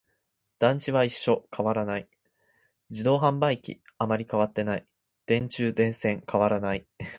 団地は一緒、変わらない。自動販売機、あまり変わっていない。電柱、電線、変わらない。